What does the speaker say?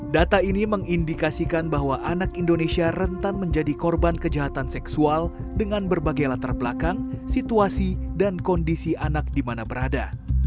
data ini mengindikasikan bahwa anak indonesia rentan menjadi korban kejahatan seksual dengan berbagai latar belakang situasi dan kondisi anak di mana berada